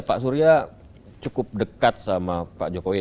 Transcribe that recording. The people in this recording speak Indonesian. pak surya cukup dekat sama pak jokowi